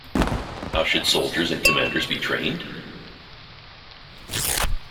How should soldiers and commanders be trained?